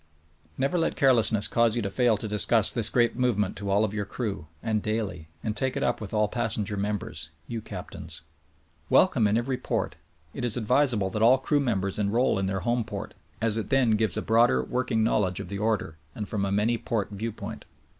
!) Never let carelessness cause you to fail to discuss this great movement to all of your crew, and daily — and take it up with all passenger members — ^you captains ! Welcome in every port, it is advisable that all crew members enroll in their home port ; as it then gives a broader working knowledge of the order, and from a many port viewpoint.